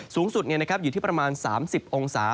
สูงสุดอยู่ที่ประมาณ๓๐องศา